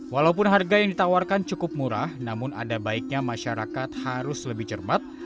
walaupun harga yang ditawarkan cukup murah namun ada baiknya masyarakat harus lebih cermat